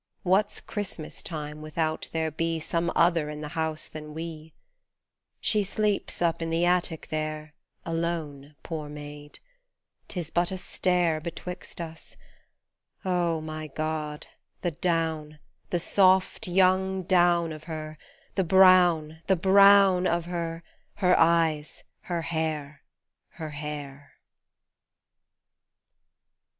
What's Christmas time without there be Some other in the house than we ! She sleeps up in the attic there Alone, poor maid. 'Tis but a stair Betwixt us. Oh ! my God ! the down, The soft young down of her, the brown, The brown of her her eyes, her hair, her hair